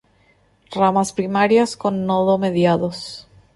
Ramas primarias con nodo mediados.